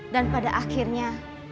dan pada akhirnya